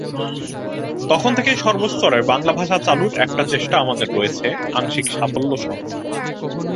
তখন থেকেই সর্বস্তরে বাংলা ভাষা চালুর একটা চেষ্টা আমাদের রয়েছে, আংশিক সাফল্যসহ।